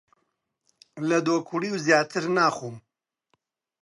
لە دۆکڵیو زیاتر ناخۆم!